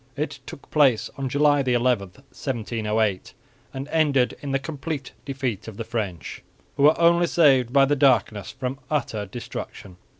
It took place on July 11, 1708, and ended in the complete defeat of the French, who were only saved by the darkness from utter destruction.